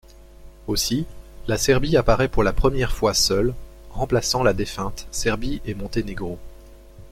Aussi la Serbie apparait pour la première fois seule, remplaçant la défunte Serbie-et-Monténégro.